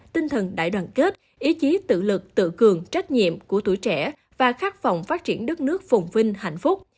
tinh thần đại đoàn kết ý chí tự lực tự cường trách nhiệm của tuổi trẻ và khát vọng phát triển đất nước phùng vinh hạnh phúc